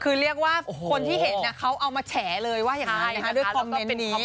คือเรียกว่าคนที่เห็นเขาเอามาแฉเลยว่าอย่างนั้นนะคะด้วยคอมเมนต์นี้